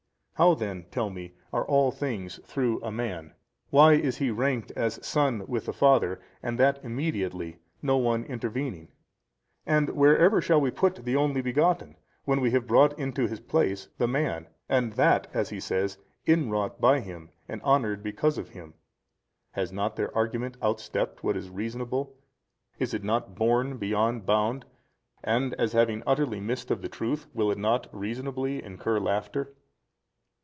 How then (tell me) are all things through a man? why is he ranked as Son with the Father and that immediately, no one intervening? and wherever shall we put the Only Begotten when we have brought into His place the man; and that (as he says) inwrought by Him and honoured because of Him? Has not their argument outstepped what is reasonable, is it not borne beyond bound, and as having utterly missed of the truth, will it not reasonably incur laughter?